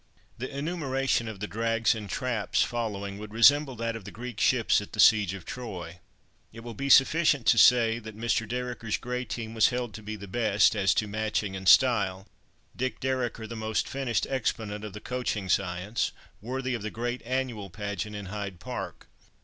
The enumeration of the drags and traps following would resemble that of the Greek ships at the siege of Troy. It will be sufficient to say that Mr. Dereker's grey team was held to be the best, as to matching and style; Dick Dereker, the most finished exponent of the coaching science—worthy of the great annual pageant in Hyde Park.